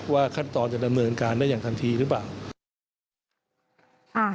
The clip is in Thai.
ขั้นตอนจะดำเนินการได้อย่างทันทีหรือเปล่า